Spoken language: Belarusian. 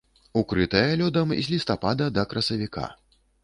Укрытая лёдам з лістапада да красавіка.